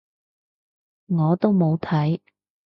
我都冇睇